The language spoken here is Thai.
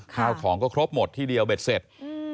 ข้าวของก็ครบหมดที่เดียวเบ็ดเสร็จ